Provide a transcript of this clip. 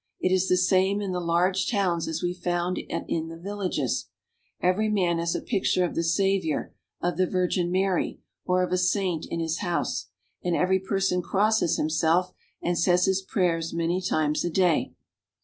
It is the same in the large towns as we found it in the villages. Every IN ST. PETERSBURG. 335 man has a picture of the Savior, of the Virgin Mary, or of a saint in his house, and every person crosses himself and says his prayers many times a day.